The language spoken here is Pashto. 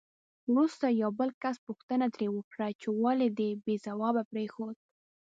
وروسته یو بل کس پوښتنه ترې وکړه چې ولې دې بې ځوابه پرېښود؟